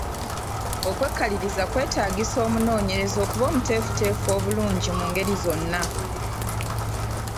Okwekaliriza kwetaagisa omunoonyereza okuba omweteefuteefu obulungi mu ngeri zonna.